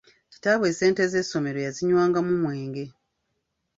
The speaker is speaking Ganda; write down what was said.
Kitaabwe ssente z’essomero yazinywangamu mwenge.